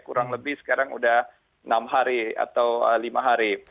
kurang lebih sekarang sudah enam hari atau lima hari